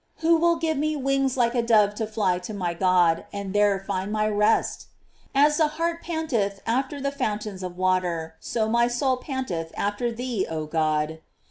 "* Who will give me wings like a dove to fly to my God and there to find my rest? "As the hart panteth after the fountains of water, so my soul panteth after thee, oh God."